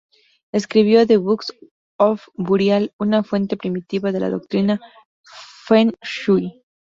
Escribió "The Book of Burial", una fuente primitiva de la doctrina feng shui.